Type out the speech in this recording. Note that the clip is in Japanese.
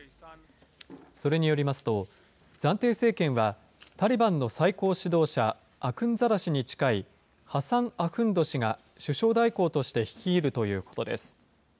それによりますと、暫定政権はタリバンの最高指導者、アクンザダ師に近いハサン・アフンド師が首相代行として率いるということです。